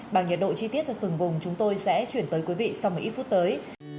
bằng nhiệt độ chi tiết cho từng vùng chúng tôi sẽ chuyển tới quý vị sau một ít phút tới